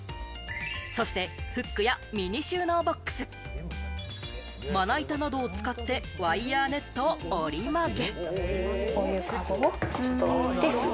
そしてフックやミニ収納ボックス、まな板などを使ってワイヤーネットを折り曲げ。